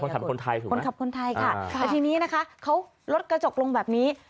คนขับคนไทยค่ะทีนี้นะคะรถกระจกลงแบบนี้